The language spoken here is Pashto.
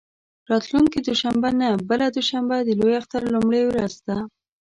راتلونکې دوشنبه نه، بله دوشنبه د لوی اختر لومړۍ ورځ ده.